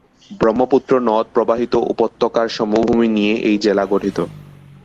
ব্রহ্মপুত্র নদ প্রবাহিত উপত্যকার সমভূমি নিয়ে এই জেলা গঠিত।